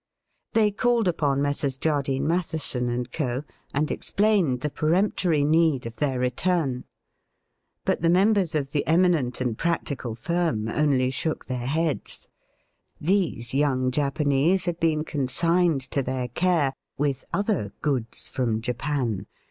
They called upon Messrs. Jardine, Mathe son, and Co., and explained the peremptory need of their return. But the members of the eminent and practical firm only shook their heads. These young Japanese had been consigned to their care with other goods from Japan.